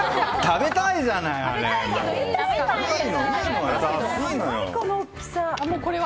食べたいじゃない、あれ。